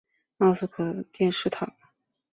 奥斯坦金诺电视塔。